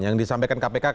yang disampaikan kpk